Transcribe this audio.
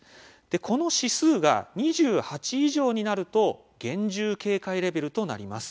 この指数が２８以上になると厳重警戒レベルとなります。